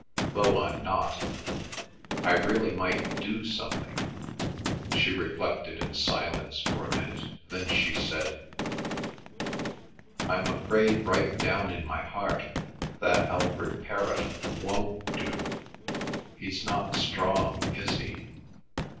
Though I'm not. I really might do something." She reflected in silence for a minute. Then she said: "I'm afraid right down in my heart that Alfred Perrot won't do. He's not strong, is he?"